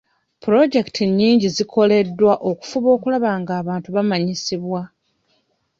Pulojekiti nnyingi zikoleddwa okufuba okulaba ng'abantu bamanyisibwa.